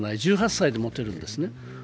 １８歳で持てるんですね。